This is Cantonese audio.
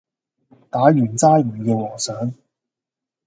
打完齋唔要和尚